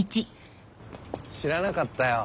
知らなかったよ